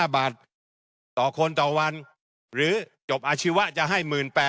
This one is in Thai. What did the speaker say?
๕บาทต่อคนต่อวันหรือจบอาชีวะจะให้๑๘๐๐